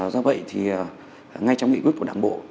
do vậy thì ngay trong nghị quyết của đảng bộ